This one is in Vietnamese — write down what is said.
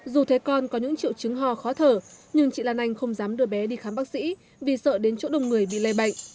dù thấy con có những triệu chứng ho khó thở nhưng chị lan anh không dám đưa bé đi khám bác sĩ vì sợ đến chỗ đông người bị lây bệnh